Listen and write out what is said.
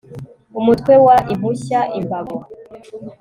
UMUTWE WA IMPUSHYA IMBAGO